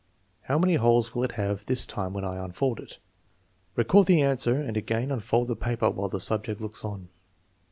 How many holes will it have this time when I unfold it? " Record the answer and again unfold the paper while the subject looks on.